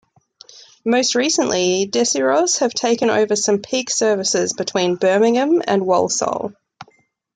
Most recently Desiros have taken over some peak services between Birmingham and Walsall.